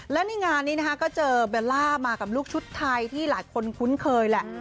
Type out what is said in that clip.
และในงานนี้นะคะก็เจอเบลล่ามากับลูกชุดไทยที่หลายคนคุ้นเคยแหละ